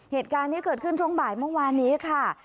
เหตุการณ์นี้เกิดขึ้นช่วงบ่ายเมื่อวานนี้ค่ะ